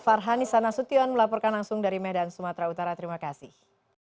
farhani sanasution melaporkan langsung dari medan sumatera utara terima kasih